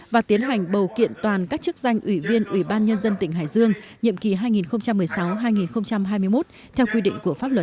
và tiến hành bầu kiện toàn các chức danh ủy viên ủy ban nhân dân tỉnh hải dương nhiệm kỳ hai nghìn một mươi sáu hai nghìn hai mươi một theo quy định của pháp luật